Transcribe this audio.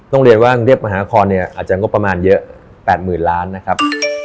ต้องเรียนว่าจังห์เทียบมหาคลอาจจะงบประมาณเยอะ๘๐๐๐๐ล้านนะครับ